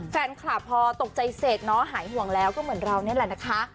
แฟนคลับพอตกใจเสกเนาะหายห่วงแล้วก็เหมือนเรานี่แหละนะคะ